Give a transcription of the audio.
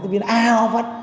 tôi nghĩ là à không phát